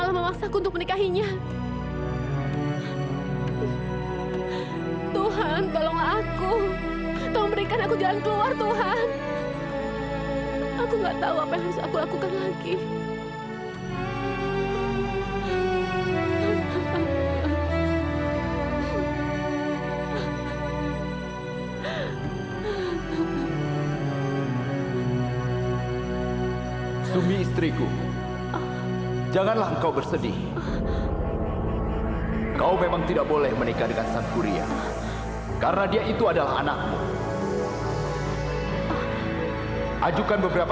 sampai jumpa di video selanjutnya